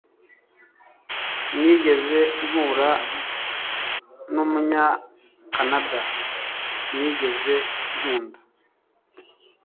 Sinigeze mpura numunyakanada Sinigeze nkunda